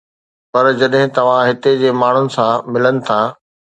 پر جڏهن توهان هتي جي ماڻهن سان ملن ٿا